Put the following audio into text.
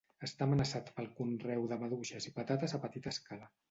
Està amenaçat pel conreu de maduixes i patates a petita escala.